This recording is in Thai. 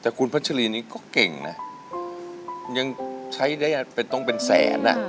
แต่คุณพัชรีนี้ก็เก่งนะยังใช้ได้เป็นต้องเป็นแสนอ่ะ